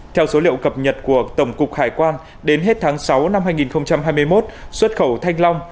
theo số liệu cập nhật của tổng cục hải quan đến hết tháng sáu năm hai nghìn hai mươi một xuất khẩu thanh long